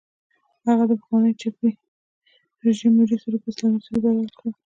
هغه د پخواني چپي رژیم ملي سرود په اسلامي سرود بدل کړي.